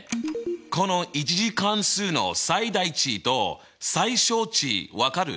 この１次関数の最大値と最小値分かる？